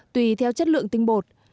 tùy theo chất lượng tinh bột